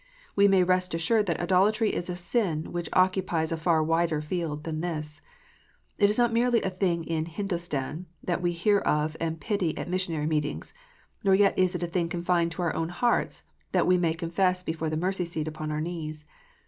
We may rest assured that idolatry is a sin which occupies a far wider field than this. It is not merely a thing in Hindostan, that we may hear of and pity at missionary meetings ; nor yet is it a thing confined to our own hearts, that we may confess before the Mercy seat upon our knees.